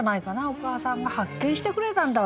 「お母さんが発見してくれたんだ